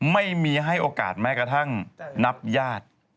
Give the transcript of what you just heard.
ไม่มีให้โอกาสแม้กระทั่งนับญาติ